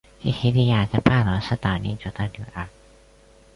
西西莉亚是帕罗斯岛领主的女儿。